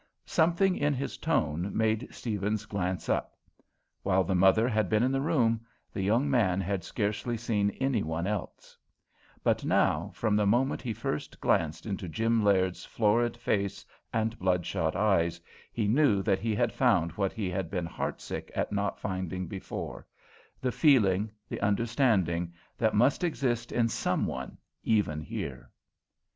Something in his tone made Steavens glance up. While the mother had been in the room, the young man had scarcely seen any one else; but now, from the moment he first glanced into Jim Laird's florid face and blood shot eyes, he knew that he had found what he had been heartsick at not finding before the feeling, the understanding, that must exist in some one, even here.